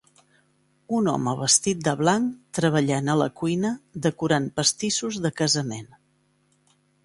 Un home vestit de blanc treballant a la cuina decorant pastissos de casament.